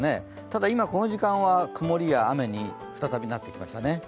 ただ、今この時間は曇りや雨に再びなってきましたね。